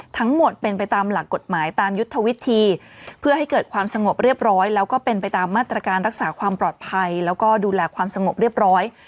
ทั้งหมดเป็นไปตามหลักกฎหมายตามยุทธวิธีเพื่อให้เกิดความสงบเรียบร้อยแล้วก็เป็นไปตามมาตรการรักษาความปลอดภัยแล้วก็ดูแลความสงบเรียบร้อย